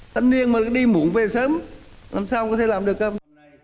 thanh niên mà đi muộn về sớm làm sao có thể làm được không